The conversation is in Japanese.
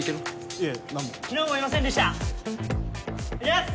いえ何も昨日もいませんでしたチャス！